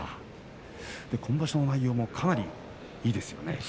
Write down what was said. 今場所の内容もかなりいいですよね。